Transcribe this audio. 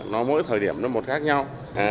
nó mỗi thời điểm nó một khác nhau